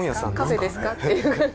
カフェですか？という感じで。